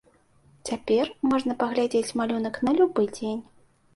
Цяпер можна паглядзець малюнак на любы дзень.